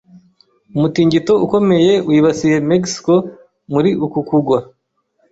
Umutingito ukomeye wibasiye Mexico muri uku kugwa.